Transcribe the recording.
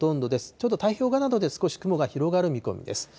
ちょっと太平洋側などで少し雲が広がる見込みです。